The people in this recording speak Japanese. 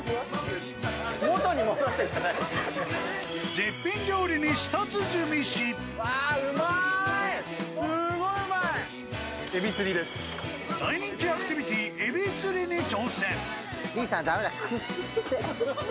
絶品料理に舌鼓し大人気アクティビティーえび釣りに挑戦。